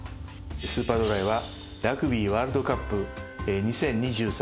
スーパードライはラグビーワールドカップ２０２３